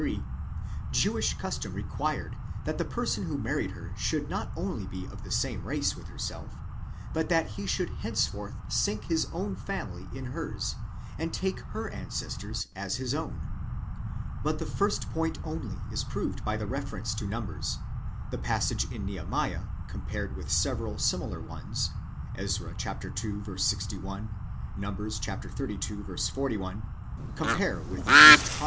6, and Nehemiah vit 63, Jewish custom required that the person who married her should not only be of the same race with herself, but that he should henceforth sink his own family in hers, and take her ancestors as his own. But the first point only is proved by the reference 30 Numbers; and the passage in Nehemiah, compared with several similar "ones (Ezra ἢ ὅτ; Numbers xxxil. 41; comp. with 1 Chron.